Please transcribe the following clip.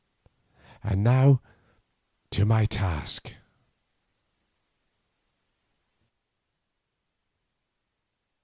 And now to my task.